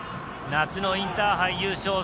夏のインターハイ優勝。